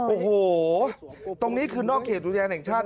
โอ้โหตรงนี้คือนอกเหตุแห่งชาติ